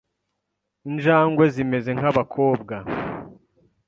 Injangwe zimeze nkabakobwa.